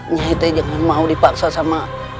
nyanyi tak mau dipaksa sama